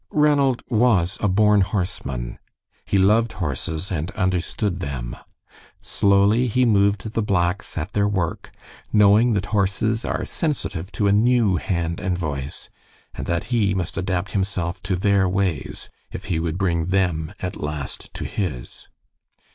Ranald was a born horseman. He loved horses and understood them. Slowly he moved the blacks at their work, knowing that horses are sensitive to a new hand and voice, and that he must adapt himself to their ways, if he would bring them at last to his.